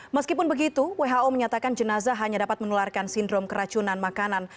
meskipun begitu who menyatakan jenazah hanya dapat menularkan sindrom keracunan makanan